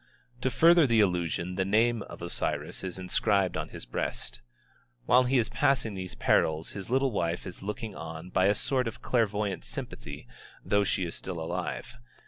To further the illusion the name of Osiris is inscribed on his breast. While he is passing these perils his little wife is looking on by a sort of clairvoyant sympathy, though she is still alive.